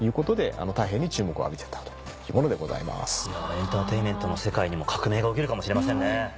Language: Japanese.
エンターテインメントの世界にも革命が起きるかもしれませんね。